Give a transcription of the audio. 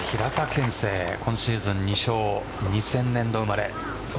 憲聖今シーズン２勝２０００年度生まれ。